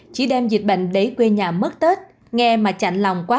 chỉ đem dịch bệnh để quê nhà mất tết nghe mà chạnh lòng quá